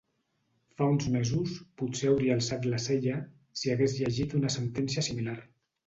Fa uns mesos, potser hauria alçat la cella, si hagués llegit una sentència similar.